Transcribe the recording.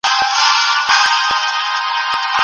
زه سبا ډاکټر ته ځم.